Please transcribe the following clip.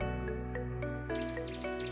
bagaimana cara menjual makanan